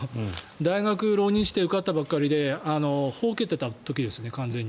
大学、浪人して受かったばかりで呆けていた時ですね。